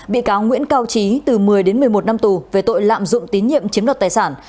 bị cáo nguyễn cao trí từ một mươi đến một mươi một năm tù về tội lạm dụng tín nhiệm chiếm đoạt tài sản